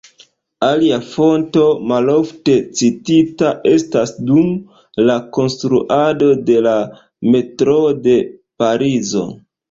Alia fonto, malofte citita, estas dum la konstruado de la metroo de Parizo.